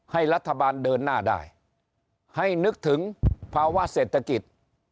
ให้รัฐบาลเดินหน้าได้ให้นึกถึงภาวะเศรษฐกิจ